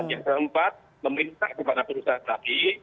yang keempat pemerintah kepada perusahaan tadi